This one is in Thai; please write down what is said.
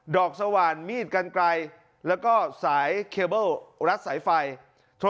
สว่านมีดกันไกลแล้วก็สายเคเบิ้ลรัดสายไฟโทร